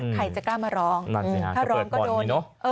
ใครจะกล้ามาร้องถ้าร้องก็โดนเนอะ